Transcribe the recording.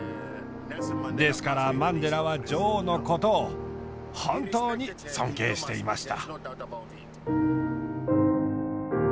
ですからマンデラは女王のことを本当に尊敬していました。